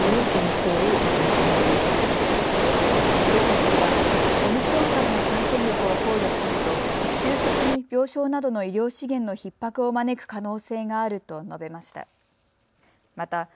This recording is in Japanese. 小池知事はオミクロン株の感染力を考慮すると急速に病床などの医療資源のひっ迫を招く可能性があると述べました。